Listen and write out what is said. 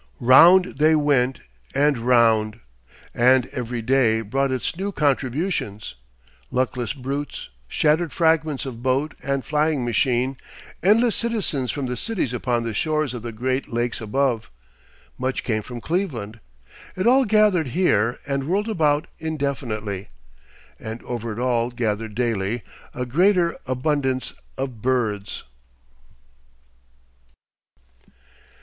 Round they went and round, and every day brought its new contributions, luckless brutes, shattered fragments of boat and flying machine, endless citizens from the cities upon the shores of the great lakes above. Much came from Cleveland. It all gathered here, and whirled about indefinitely, and over it all gathered daily a greater abundance of birds.